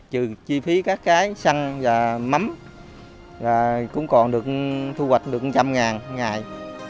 trừ chi phí các cái săn và mắm cũng còn được thu hoạch được một trăm linh ngàn ngày